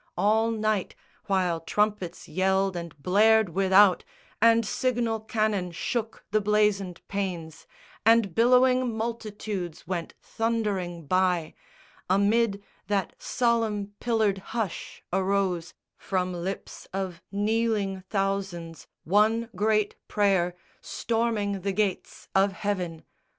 All night, while trumpets yelled and blared without, And signal cannon shook the blazoned panes, And billowing multitudes went thundering by, Amid that solemn pillared hush arose From lips of kneeling thousands one great prayer Storming the Gates of Heaven!